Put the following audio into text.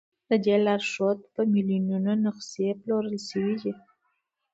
د دې لارښود په میلیونونو نسخې پلورل شوي دي.